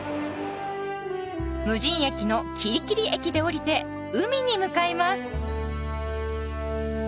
無人駅の吉里吉里駅で降りて海に向かいます。